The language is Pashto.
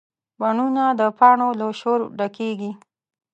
بڼونه د پاڼو له شور ډکېږي